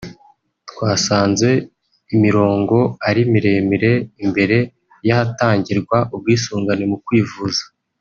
twasanze imirongo ari miremire imbere y’ahatangirwa ubwisungane mu kwivuza